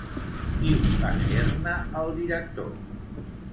Qui va ser-ne el director?